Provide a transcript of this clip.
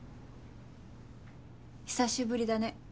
久しぶりだね。